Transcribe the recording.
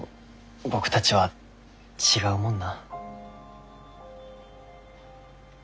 僕たちは違うもんな。